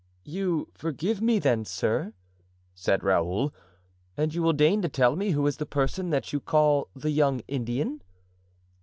"You forgive me, then, sir," said Raoul, "and you will deign to tell me who is the person that you call the young Indian?"